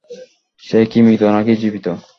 সে কি মৃত নাকি জীবিত?